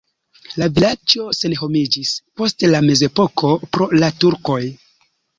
La vilaĝo senhomiĝis post la mezepoko pro la turkoj.